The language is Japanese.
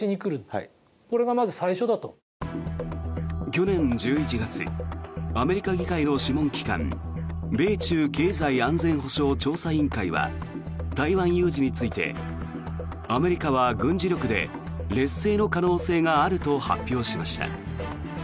去年１１月アメリカ議会の諮問機関米中経済・安全保障調査委員会は台湾有事についてアメリカは軍事力で劣勢の可能性があると発表しました。